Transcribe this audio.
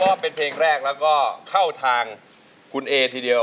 ก็เป็นเพลงแรกแล้วก็เข้าทางคุณเอทีเดียว